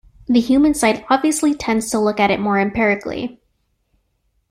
The human side obviously tends to look at it more empirically.